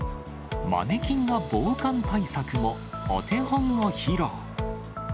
マネキンが防寒対策のお手本を披露。